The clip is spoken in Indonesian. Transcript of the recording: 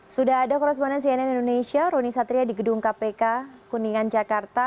sudah ada koresponen cnn indonesia roni satria di gedung kpk kuningan jakarta